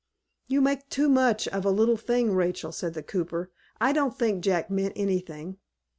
"You make too much of a little thing, Rachel," said the cooper. "I don't think Jack meant anything."